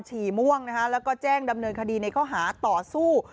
ฉี่ม่วงนะคะแล้วก็แจ้งดำเนินคดีในข้อหาต่อสู้